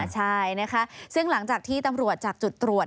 ใช่นะคะซึ่งหลังจากที่ตำรวจจากจุดตรวจ